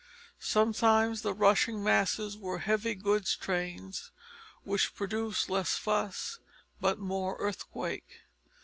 Sometimes the rushing masses were heavy goods trains, which produced less fuss, but more of earthquake.